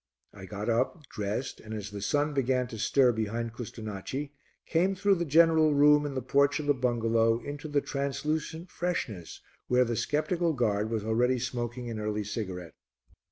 I got up, dressed, and as the sun began to stir behind Custonaci, came through the general room and the porch of the bungalow into the translucent freshness where the sceptical guard was already smoking an early cigarette.